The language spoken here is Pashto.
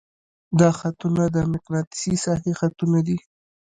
دا خطونه د مقناطیسي ساحې خطونه دي.